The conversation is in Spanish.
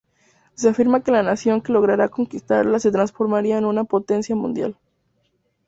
Se afirma que la nación que lograra conquistarla se transformaría en una potencia mundial.